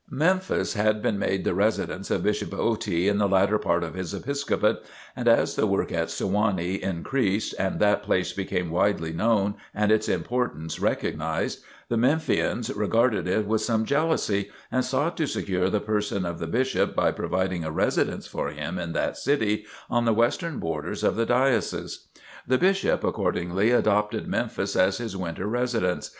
Memphis had been made the residence of Bishop Otey in the latter part of his Episcopate, and as the work at Sewanee increased and that place became widely known and its importance recognized, the Memphians regarded it with some jealousy and sought to secure the person of the Bishop by providing a residence for him in that city on the western borders of the Diocese. The Bishop accordingly adopted Memphis as his winter residence.